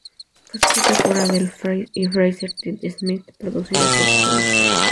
Fue escrita por Adele y Fraser T. Smith y producida por este último.